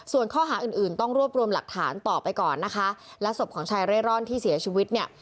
ส่วนข้อหาอื่นอื่นต้องรวบรวมหลักฐานต่อไปก่อนนะคะและศพของชายเร่ร่อนที่เสียชีวิตเนี่ย